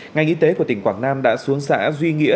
ngành y tế của tỉnh quảng nam đã xuống xã duy nghĩa